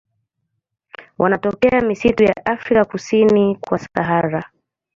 Wanatokea misitu ya Afrika kusini kwa Sahara.